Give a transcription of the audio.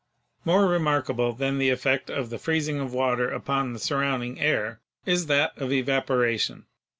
More remarkable than the effect of the freezing of water upon the surrounding air, is that of evaporation.